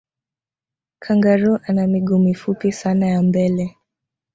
kangaroo ana miguu mifupi sana ya mbele